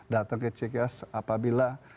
datang ke cks apabila